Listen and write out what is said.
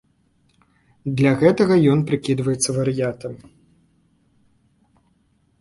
Для гэтага ён прыкідваецца вар'ятам.